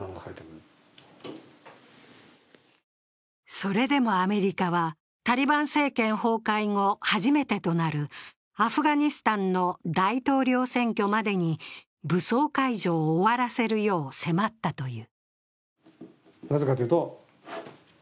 それでもアメリカは、タリバン政権崩壊後、初めてとなるアフガニスタンの大統領選挙までに武装解除を終わらせるよう迫ったという。